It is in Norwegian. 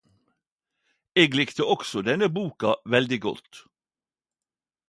Eg likte også denne boka veldig godt!